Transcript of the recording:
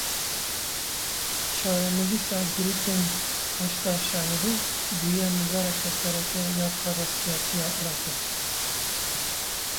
Çarenivîsa grûpên Heşda Şeibî bûye mijareke sereke ya qada siyasî ya Iraqê.